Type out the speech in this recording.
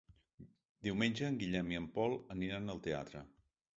Diumenge en Guillem i en Pol aniran al teatre.